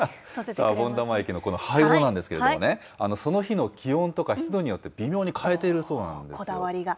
シャボン玉液のこの配合なんですけれどもね、その日の気温とか湿度によって、微妙に変えていこだわりが。